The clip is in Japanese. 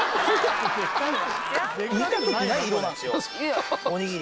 見た時ない色なんですよおにぎり。